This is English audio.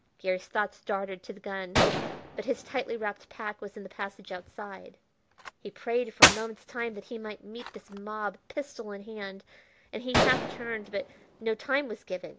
Garry's thoughts darted to the gun, but his tightly wrapped pack was in the passage outside. He prayed for a moment's time that he might meet this mob pistol in hand, and he half turned; but no time was given.